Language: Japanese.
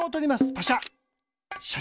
パシャ。